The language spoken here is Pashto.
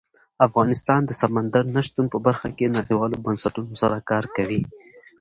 افغانستان د سمندر نه شتون په برخه کې نړیوالو بنسټونو سره کار کوي.